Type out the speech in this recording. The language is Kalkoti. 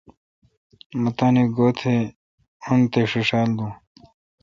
مہ تانی گو°تہ ان تے°ݭیݭال دون۔